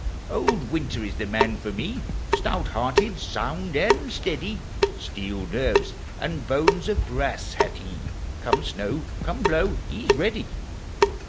Old Winter is the man for me — Stout hearted, sound, and steady; Steel nerves and bones of brass hath he : Come snow, come blow, he 's ready